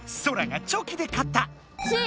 ソラが「チョキ」でかった！